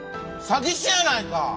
詐欺師やないか！